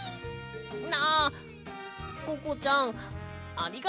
ああココちゃんありがとう。